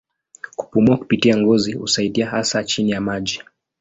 Kupumua kupitia ngozi husaidia hasa chini ya maji.